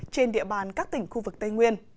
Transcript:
trên địa bàn các tỉnh khu vực tây nguyên